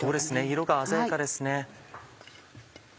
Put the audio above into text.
色が鮮やかですね。